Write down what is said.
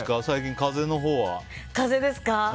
最近、風邪のほうは。風邪ですか？